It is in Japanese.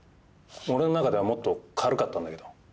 俺の中ではもっと軽かったんだけど。